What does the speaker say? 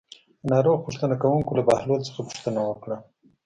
د ناروغ پوښتنه کوونکو له بهلول څخه پوښتنه وکړه.